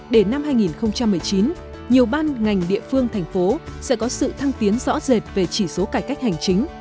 đến năm hai nghìn một mươi chín nhiều ban ngành địa phương thành phố sẽ có sự thăng tiến rõ rệt về chỉ số cải cách hành chính